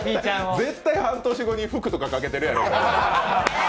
絶対、半年後に服とか、かけてるやろ、お前。